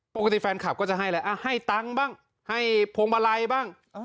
ปกติแฟนคลับก็จะให้เลยให้ตังค์บ้างให้พวงมาลัยบ้าง